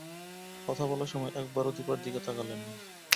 কথা বলার সময় একবারও দিপার দিকে তাকালেন না।